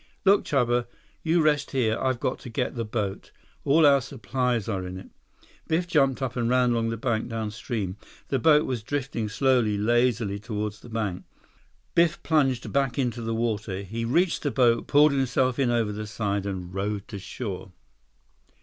"Look, Chuba. You rest here. I've got to get the boat. All our supplies are in it." Biff jumped up and ran along the bank downstream. The boat was drifting slowly, lazily toward the bank. Biff plunged back into the water. He reached the boat, pulled himself in over the side, and rowed to shore.